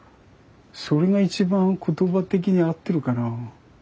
それが一番言葉的に合ってるかなあ。